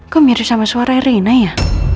kok mirip sama suara reina ya